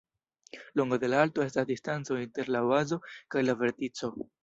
Longo de la alto estas distanco inter la bazo kaj la vertico.